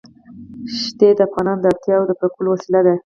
ښتې د افغانانو د اړتیاوو د پوره کولو وسیله ده.